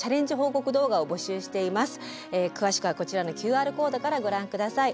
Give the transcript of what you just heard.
詳しくはこちらのＱＲコードからご覧下さい。